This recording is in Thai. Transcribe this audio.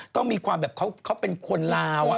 ต้องมีความแบบเขาเป็นคนลาว